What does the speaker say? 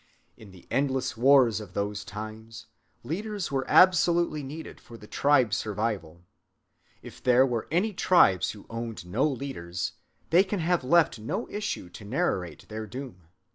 In the endless wars of those times, leaders were absolutely needed for the tribe's survival. If there were any tribes who owned no leaders, they can have left no issue to narrate their doom.